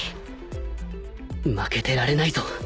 負けてられないぞ